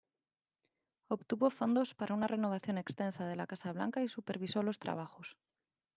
Obtuvo fondos para una renovación extensa de la Casa Blanca y supervisó los trabajos.